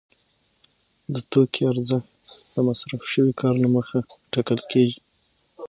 د توکي ارزښت د مصرف شوي کار له مخې ټاکل کېږي